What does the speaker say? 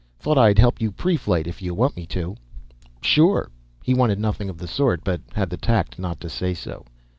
Thought I'd help you preflight, if you want me to." "Sure." He wanted nothing of the sort, but had the tact not to say so.